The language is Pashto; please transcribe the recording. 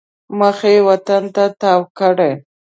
مخ یې وطن ته تاو کړی.